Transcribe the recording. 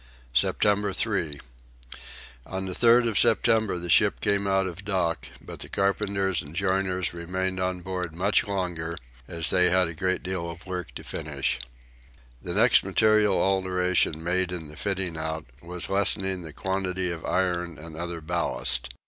September 3. On the 3rd of September the ship came out of dock; but the carpenters and joiners remained on board much longer, as they had a great deal of work to finish. The next material alteration made in the fitting out was lessening the quantity of iron and other ballast.